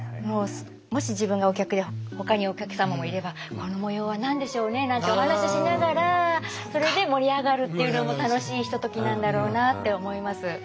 もし自分がお客でほかにお客様もいれば「この模様は何でしょうね」なんてお話ししながらそれで盛り上がるっていうのも楽しいひとときなんだろうなって思います。